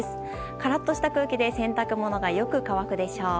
カラッとした空気で洗濯物がよく乾くでしょう。